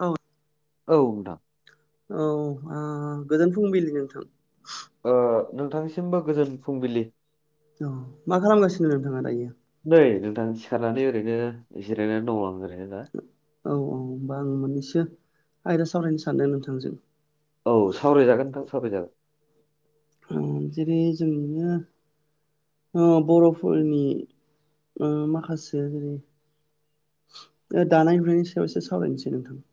औ औ नोंथां। औ गोजोन फुंबिलि नोंथां। नोंथांनिसिमबो गोजोन फुंबिलि। अऔ मा खालामगासिनो नोंथाङा दायो। नै नोंथां सिखारनानै ओरैनो जिरायनानै दं आं ओरैनो दा। औ औ होमबा आं मोननैसो आयदा सावरायनो सानदों नोंथांजों। औ सावरायजागोन नोंथां सावरायजागोन। जेरै जों बिदिनो बर'फोरनि माखासे जेरै दानाय लुनायनि सायाव एसे सावरायनोसै नोंथां।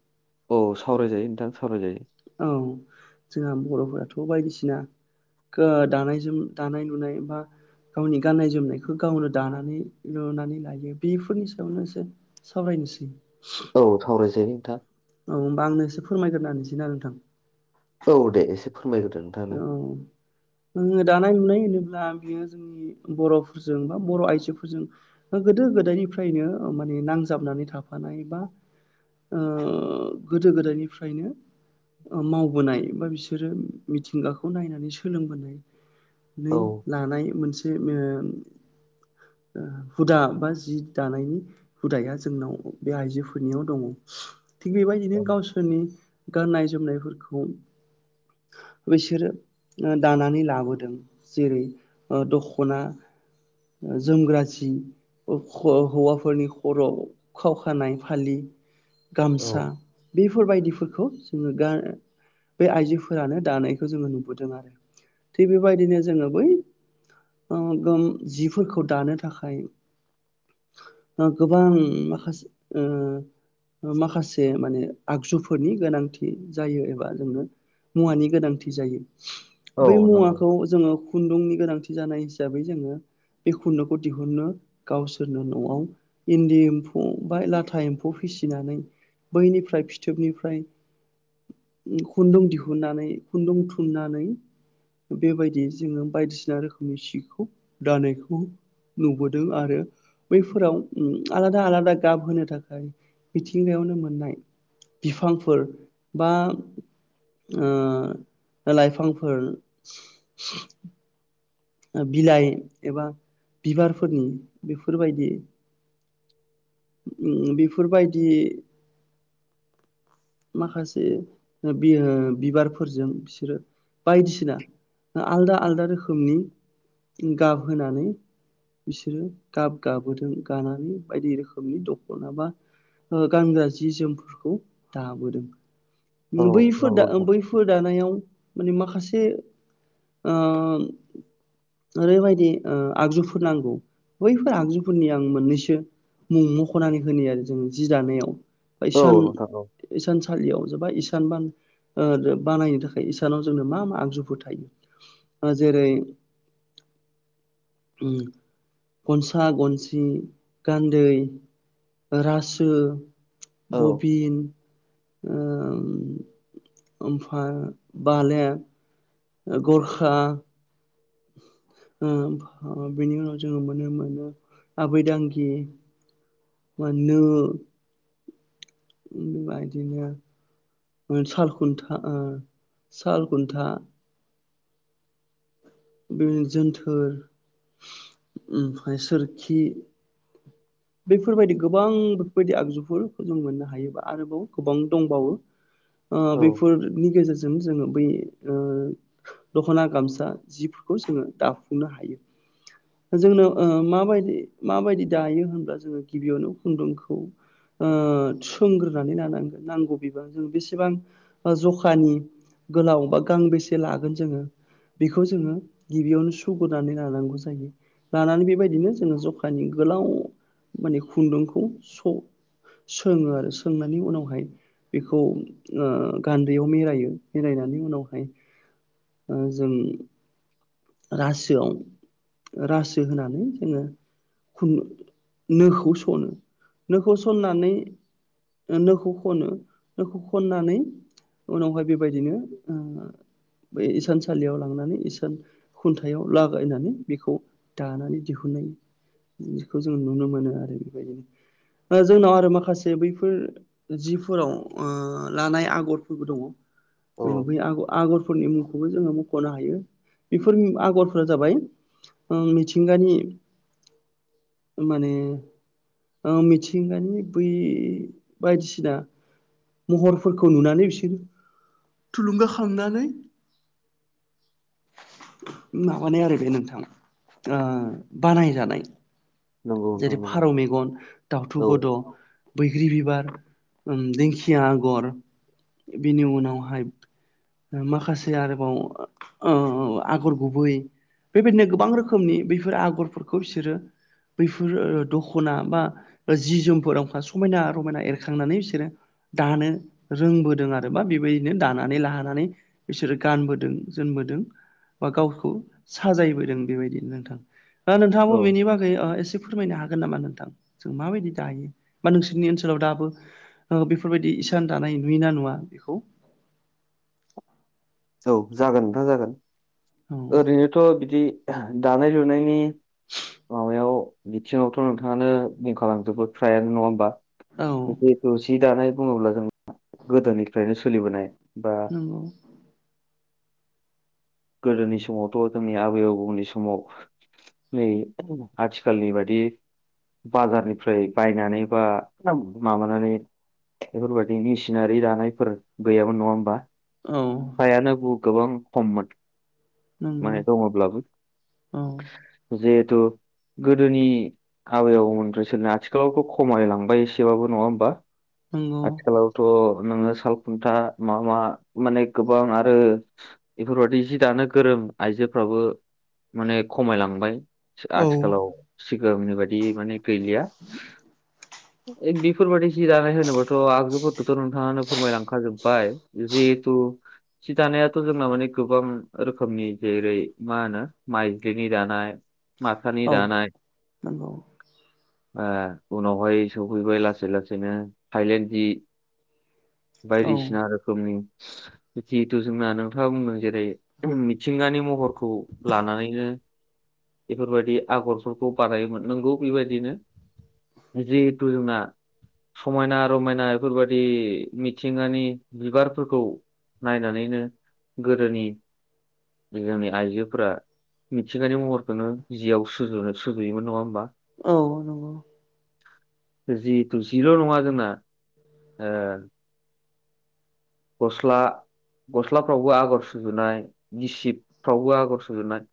औ सावरायजायो नोंथां सावरायजायो। औ जोंहा बर'फोराथ' बायदिसिना गो दानायजों दानाय लुनाय एबा गावनि गाननाय जोमनायखौ गावनो दानानै लुनानै लायो बेफोरनि सायावनो एसे सावरायनोसै। औ सावराय जायो नोंथां। औ होमबा आंनो एसे फोरमायगोरना होनसै ना नोंथां। औ दे एसे फोरमायगोलदो नोंथाङानो। जोङो दानाय लुनाय होनोब्ला बियो जोंनि बर'फोरजों बा बर' आइजोफोरजों बा गोदो गोदायनिफ्रायनो माने नांजाबनानै थाफानाय बा गोदो गोदायनिफ्रायनो मावबोनाय बा बिसोरो मिथिंगाखौ नायनानै सोलोंबोनानै औ लानाय मोनसे से ओं ओ हुदा बा जि दानायनि हुदाया जोंनाव बे आइजोफोरनियाव दङ। थिग बेबायदिनो औ गावसोरनि गाननाय जोमनायफोरखौ खा बैसोरो दानानै लाबोदों जेरै दख'ना जोमग्रा जि ओ खर' हौवाफोरनि खर'याव खावखानाय फालि गामसा औ बेफोरबायदिफोरखौ जोङो गा बे आइजोफोर फोरानो दानायखौ जोङो नुबोदों आरो थिग बेबायदिनो जोङो बै गोम जिफोरखौ दानो थाखाय गोबां माखासे ओ माखासे माने आगजुफोरनि गोनांथि जायो एबा जोंनो मुवानि गोनांथि जायो औ बै नंगौ मुवाखौ जोङो खुन्दुंनि गोनांथि जानाय हिसाबै जोङो बे खुन्दुंखौ दिहुननो गावसोरनो न'आव इन्दि एम्फौ बा लाथा एम्फौ फिसिनानै बैनिफ्राय फिथोबनिफ्राय खुन्दुं दिहुन नानै खुन्दुं थुननानै बेबायदि जोङो बायदिसिना रोखोम सिखौ दानायखौ नुबोदों आरो बैफोराव आलादा आलादा गाब होनो थाखाय मिथिंगायावनो मोननाय बिफांफोर बा लाइफांफोर बिलाइ एबा बिबारफोरनि बेफोरबायदि बेफोरबायदि माखासे बियो बिबारफोरजों बिसोरो बायदिसिना आलदा आलदा रोखोमनि गाब होनानै बिसोरो गाब गाबोदों गानानै बायदि रोखोमनि दख'ना बा गानग्रा जि जोमफोरखौ दाबोदों औ बैफोर दा नंगौ नोंथां बैफो फोर दानायाव माने माखासे ओरैबायदि आगजुफोर नांगौ बैफोर आगजुफोरनि आं मोननैसो मुं मख'नानै होनो आरो जों जि दानायाव औ बैसान नोंथां औ इसानसालियाव जोबा इसानबान ओ बो बानायनो थाखाय इसानाव जोंनो मा मा आगजुफोर थायो। जेरै उम गनसा गनसि गान्दै रासो औ बबिन ओमफ्राय बालेब गरखा बिनि उनाव जोङो नुनो मोनो मोनो आबै दांगि मोननो बेबायदिनो साल खुन्था साल खुन्था [unintelligible] जोनथोर ओमफाय सोरखि। बैफोरबायदि गोबां बेफोरबायदि आगजुफोरखौ जों मोननो हायोबा आरोबाव गोबां दंबावो। औ बैफोरनि गेजेरजों जोङो बै दख'ना गामसा जिफोरखौ जोङो दाफुंनो हायो। जोंनो माबायदि माबायदि दायो होनब्ला जोङो गिबियावनो खुन्दुंखौ सोंग्रोनानै लानांगोन नांगौ बिबां जों बेसेबां जखानि गोलाव बा गांबेसे लागोन जोङो। बेखौ जोङो गिबियावनो सुगोरनानै लानांगौ जायो। लानानै बेबायदिनो जोङो जखानि गोलाव माने खुन्दुंखौ स सोङो आरो सोंनानै उनावहाय बेखौ गान्दैयाव मेरायो मेरायनानै उनावहाय जों रासोआव रासो होनानै जोङो खुनदु नोखौ सनो नोखौ सननानै नोखौ खनो नोखौ खननानै उनावहाय बेबायदिनो बै इसानसालियाव लांनानै इसान खुन्थायाव लागायनानै बेखौ दानानै दिहुननाय बेखौ जों नुनो मोनो आरो बेबायदिनो दा जोंनाव आरो माखासे बैफोर जिफोराव लानाय आगरफोरबो दङ। औ जोङो बै आगर आगरफोरनि मुंखौबो जोङो मख'नो हायो। बेफोरनु आग'रफोरा जाबाय मिथिंगानि माने मिथिंगानि बै बायदिसिना महरफोरखौ नुनानै बिसोरो थुलुंगााखांनानै माबानाय आरो बे नोंथाङा बानायजानाय। नंगौ नोंथां जेरै नंगौ फारौ मेगन दाउथु औ गद' बैग्रि बिबार दिंखिया आगर बिनि उनावहाय माखासे आरोबाव आगर गुबै बेबायदिनो गोबां रोखोमनि बैफोर आगरफोरखौ बिसोरो बैफोर दख'ना बा जि जोमफोरावखा समायना रमायना एरखांनानै बिसोरो दानो रोंबोदों आरो बा बेबायदिनो दानानै लाहानानै बिसोरो गानबोदों जोमबोदों। बा गावखौ साजायबोदों बेबायदिनो नोंथां दा नोंथाङाबो औ बेनि बागै एद से फोरमायनो हागोन नामा नोंथां जों माबायदि दायो बा नोंसोरनि ओनसोलाव दाबो बेफोरबायदि इसान दानाय नुयो ना नुवा बेखौ। औ जागोन नोंथां जागोन औ ओरैनोथ' बिदि दानाय लुनायनि माबायाव बिथिङावथ' नोंथाङानो बुंंखालांजोबो ट्रायानो नङा होमबा। औ जिहेथु जि दानाय बुङोब्ला जों गोदोनिफ्रायनो सोलिबोनाय बा नंगौ। गोदोनि समावथ' जोंनि आबै आबौनि समाव नै आथिखालनि बादि बाजारनिफ्राय बायनानै बा [unintelligible] माबानानै बेफोरबायदिनि सिनारि दानायफोर गैयाबोन नङा होमबा। औ हायानो बु गोबां खममोन। नंगौ माने दङब्लाबो औ जिहेथु गोदोनि आबै आबौमोनफ्राय सोलिनाय आथिखालावथ' खमायलांबाय एसेबाबो नङा होमबा। नंगौ आथिखालावथ' नोङो साल खुन्था मा मा माने गोबां आरो बेफोरबायदि जि दानो गोरों आइजोफ्राबो माने खमायलांबाय औ आथिखालाव सिगांनि बायदि माने गैलिया ए बेफोरबायदि जि दानाय होनोबाथ' आगजुफोरखौथ' नोंथाङानो फोरमायलांखा जोब बाय जिहेथु सि दानायाथ' जोंना माने गोबां रोखोमनि जेरै मा होनो माइदिनि दानाय। माथानि औ दानाय नंगौ ओ उनावहाय। सौहैबाय लासै लासैनो थाइलेण्ड जि। औ बायदिसिना रोखोमनि जिहेतु जोंना नोंथाङा बुंदों। जेरै मिथिंगानि महरखौ लानानैनो। बेफोरबायदि आगरफोरखौ बानायोमोन नोंगौ बेबायदिनो। जिथु जोंना। समायना रमायना बेफोरबादि मिथिंगानि बिबारफोरखौ। नायनानैनो गोदोनि। जोंनि गामि आइजोफोरा मिथिंगानि महरखौनो जिआव सुजुनो सुजुयोमोन नङा होमबा। औ नंगौ। जिहेथु जिल' नङा जोंना। ओ गस्ला गस्लाफ्रावबो आगर सुजुनाय। गिसिबफ्रावबो आगर सुजोबनाय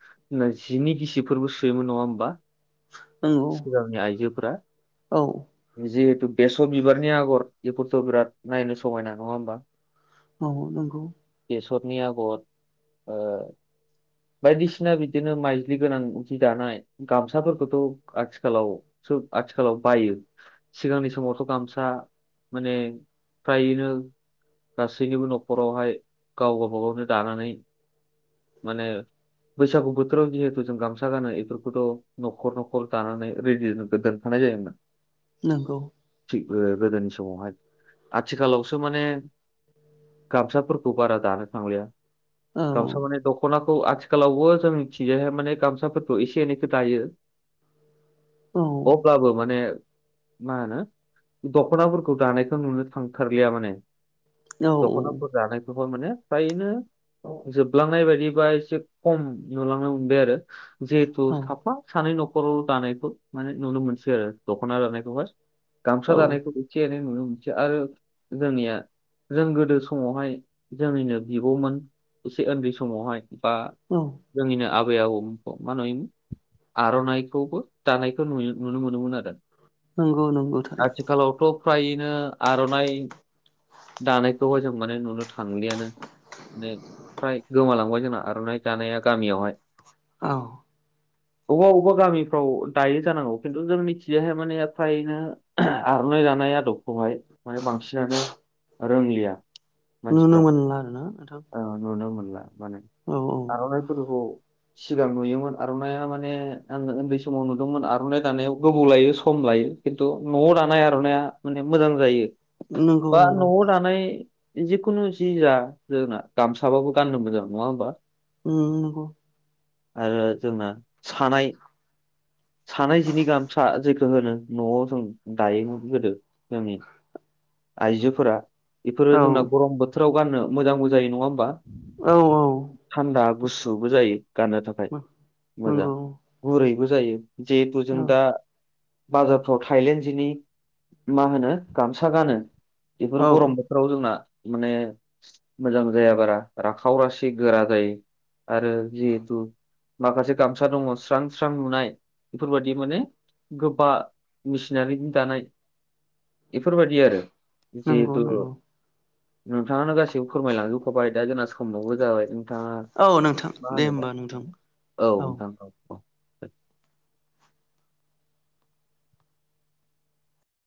ना जिनि गिसिबफोरबो सोयोमोन नङा होमबा। नंगौ सिगांनि आइजोफोरा। औ। जिहेतु बेसर बिबारनि आगर बेफोरथ' बिराद नायनो समायना नङा होमबा। औ नंगौ। बेसरनि आगर। ओ [inaudible] बायदिसिना बिदिनो माइज्लि गोनां जि दानाय। गामसाफोरखौथ' आथिखालाव बोस आथिखालाव बायो। सिगांनि समावथ' गामसा। माने फ्रायैनो गासैनिबो न'खरावहाय गाव गावबागावनो दानानै। माने बैसागु बोथोराव जिहेथु जों गामसा गानो इफोरखौथ' न'खर न'खर दानानै रेडि दोनदोनखानाय जायोमोन। नोंगौ। थिग ओ गोदोनि समावहाय आथिखालावसो माने। गामसाफोरखौ बारा दानो थांलिया। औ गामसा माने दख'ना खौ आथिखालावबो जोंनि थिंजायहाय माने गामसाफोरखौ एसे एनैखौ दायो। औ अब्लाबो माने। मा होनो दख'नाफोरखौ दानायखौ नुनो थांथारलिया माने। औ दख'नाफोर दानायखौबा माने फ्रायैनो। जोबलांनाय बायदिबा एसे खम नुलांनो मोनबाय आरो। जिहेथु औ साब हा सानै न'खराव दानायखौ माने नुनो मोनसै आरो दख'ना दानायखौ हाय। गामसा औ दानायखौ एसे एनै नुनो मोनसै। आरो जोंनिया जों गोदो समावहाय जोंनिनो बिब'मोन एसे उन्दै समावहाय बा। औ। जोंनिनो आबै आबौमोनखौ मा नुयोमोन आर'नाइखौबो दानायखौ नुयो नुनो मोनोमोन आरो। नंगौ नंगौ थारैनो आथिखालावथ' फ्रायैनो आर'नाइ। दानायखौहाय जों माने नुनो थांलियानो। माने फ्राय गोमालांबाय जोंना आर'नाइ दानाया गामियावहाय। औ। अबा अबा गामिफ्राव दायो जानांगौ। खिन्थु जों मिथियो हाय माने फ्रायैनो। आर'नाइ दानाय आदबखौहाय माने बांसिनानो रोंलिया। नुनोनो मोनला आरो ना नोंथां। औ नुनो मोनला माने औ औ आर'नाइफोरखौ। सिगां नुयोमोन आर'नाइया माने आं उन्दै समाव नुदोंमोन आर'नाइ दानायाव गोबाव लायो सम लायो। खिन्थु न'आव दानाय आर'नाइया माने मोजां जायो। नंगौ बा नंगौ न'आव दानाय जिखुनु जि जा जोंना। गामसाबाबो गाननो मोजां नङा होमबा? ओ नंगौ। आरो जोंना सानाय सानाय जिनि गाहामसा जेखौ होनो न'आव जों दायोमोन गोदो जोंनि। आइजोफोरा। बेफोरो औ जोंना गरम बोथोराव गाननो मोजांबो जायो नङा होमबा। औ औ थान्दा गुसुबो जायो गाननो थाखाय मोजां। नंगौ गुरैबो जायो जिहेथु जों औ दा बाजारफ्राव थायलेण्ड जिनि मा होनो गामसा गानो। बेफोर औ गरम बोथोराव जोंना माने मोजां जाया बारा राखाव रासि गोरा जायो। आरो जिहेथु माखासे गामसा दङ स्रां स्रां नुनाय। बेफोरबायदि माने गोबा मेचिनारि जि दानाय बेफोरबादि आरो नंगौ जिहेथु नंगौ नोंथाङानो गासैबो फोरमायलांजोब खाबाय दा जोंना सोमाबो जाबाय। नथाङा औ नोंथां मा दे होनो दा होमबा नोंथां औ नोंथां। औ